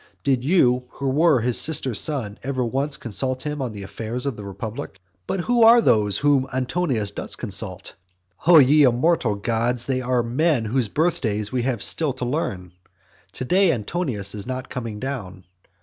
Did you, who were his sister's son, ever once consult him on the affairs of the republic? But who are they whom Antonius does consult? O ye immortal gods, they are men whose birthdays we have still to learn. To day Antonius is not coming down.